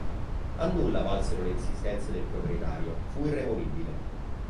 A nulla valsero le insistenze del proprietario: fu irremovibile.